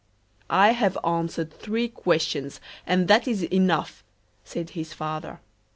"I have answered three questions, and that is enough," Said his father.